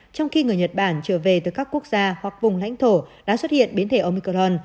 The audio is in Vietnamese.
trong khi người nhật bản trở về từ các quốc gia hoặc vùng lãnh thổ đã xuất hiện biến thể omicron